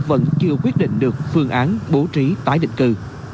vẫn chưa quyết định được phương án bố trí tái định cư